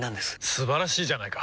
素晴らしいじゃないか！